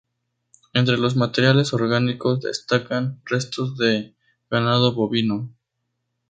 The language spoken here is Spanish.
Entre los materiales orgánicos destacan restos de ganado bovino.